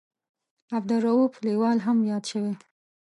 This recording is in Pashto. عبدالرووف لیوال هم یاد شوی.